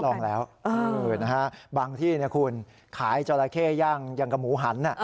ลองแล้วบางที่คุณขายจราเข้ย่างอย่างกับหมูหัน